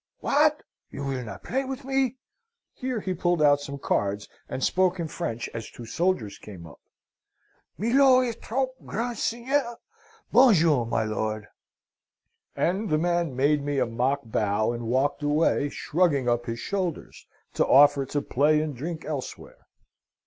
What! You will not play with me?' Here he pulled out some cards, and spoke in French as two soldiers came up. 'Milor est trop grand seigneur? Bonjour, my lord!' "And the man made me a mock bow, and walked away, shrugging up his shoulders, to offer to play and drink elsewhere.